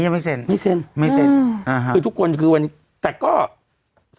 ไม่ต้องร้องอืมลาออกเลย